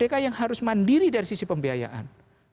mereka yang harus mandiri dari sisi pembiayaan